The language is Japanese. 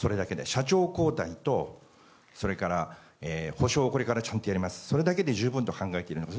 社長交代と補償をこれからちゃんとやりますとそれだけで十分と考えているのか。